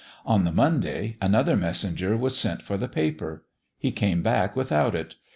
On the Monday, another messenger was sent for the paper. He came back without it.